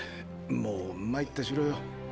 もう参ったしろよ。